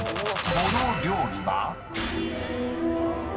［この料理は？］